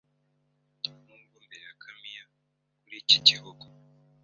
Nubwo mbere ya Camilla kuri iki gihugu